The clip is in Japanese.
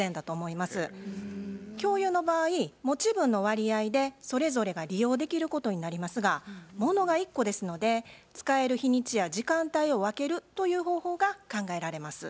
共有の場合持分の割合でそれぞれが利用できることになりますがものが１個ですので使える日にちや時間帯を分けるという方法が考えられます。